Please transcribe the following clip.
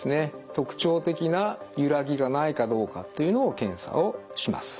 特徴的なゆらぎがないかどうかというのを検査をします。